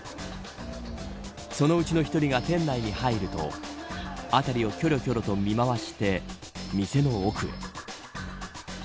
そのうちの１人が店内に入ると辺りをきょろきょろと見回して店の奥へ。